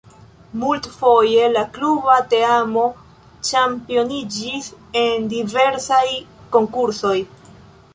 Multfoje la kluba teamo ĉampioniĝis en diversaj konkursoj.